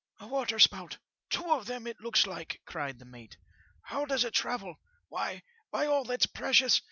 A waterspout — two of them, it looks like,* cried the mate. 'How does it travel? Why, by all that's precious